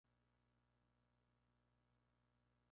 Posteriormente inició estudios y trabajos como mecánico.